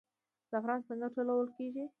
زعفران څنګه ټولول کیږي؟